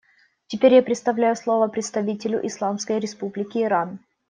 Теперь я предоставляю слово представителю Исламской Республики Иран.